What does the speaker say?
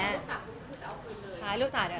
แฟนคลับของคุณไม่ควรเราอะไรไง